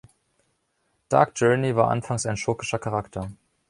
Dark Journey war anfangs ein schurkischer Charakter.